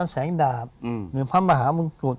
แสงดาบหรือพระมหามงกุฎ